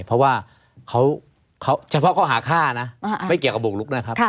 เพราะว่าเขาเฉพาะเขาหาฆ่านะไม่เกี่ยวกับบุกลุกนะครับ